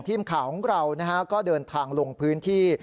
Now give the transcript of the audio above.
ทีมข่าวของเราก็เดินทางลงพื้นที่